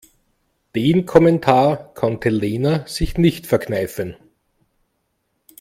Den Kommentar konnte Lena sich nicht verkneifen.